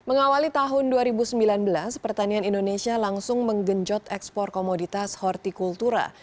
mengawali tahun dua ribu sembilan belas pertanian indonesia langsung menggenjot ekspor komoditas hortikultura